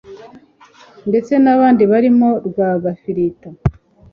ndetse n'abandi barimo Rwagafirita